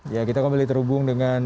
ya kita kembali terhubung dengan